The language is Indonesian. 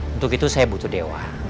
untuk itu saya butuh dewa